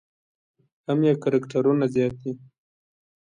هم یې کرکټرونه زیات دي.